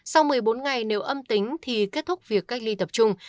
sau một mươi bốn ngày nếu âm tính thì kết thúc việc cách ly tập trung